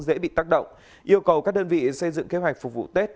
dễ bị tác động yêu cầu các đơn vị xây dựng kế hoạch phục vụ tết